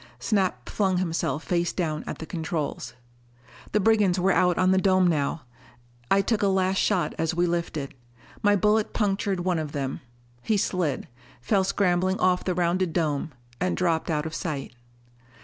Snap flung himself face down at the controls. The brigands were out on the dome now. I took a last shot as we lifted. My bullet punctured one of them: he slid, fell scrambling off the rounded dome and dropped out of sight.